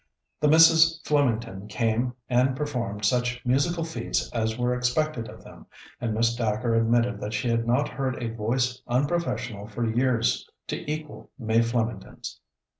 The Misses Flemington came and performed such musical feats as were expected of them, and Miss Dacre admitted that she had not heard a voice unprofessional for years to equal May Flemington's.